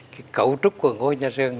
cái cấu trúc của ngõi nhà giường